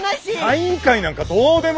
サイン会なんかどうでも。